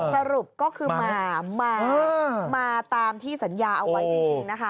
สรุปก็คือมามาตามที่สัญญาเอาไว้จริงนะคะ